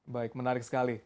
baik menarik sekali